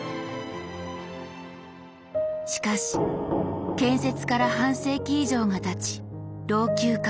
しかし建設から半世紀以上がたち